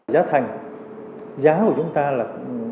giá thành giá của chúng ta là